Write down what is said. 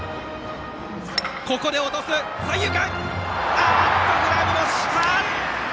あっと、グラブの下！